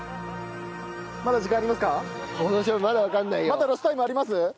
まだロスタイムあります？